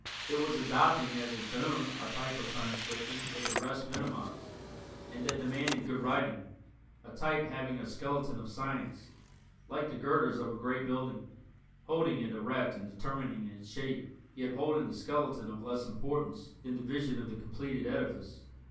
It was adopting as its own a type of Science Fiction that the rest minimized, and that demanded good writing a type having a skeleton of science, like the girders of a great building, holding it erect and determining its shape, yet holding the skeleton of less importance than the vision of the completed edifice.